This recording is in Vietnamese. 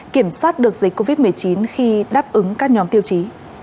kiểm soát được dịch covid một mươi chín khi đáp ứng các nhóm tiêu chí